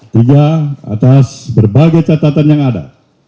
tiga atas berbagai catatan yang ada